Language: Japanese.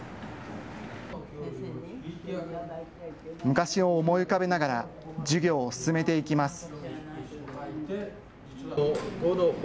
昔を思い浮かべながら授業を進めていきます。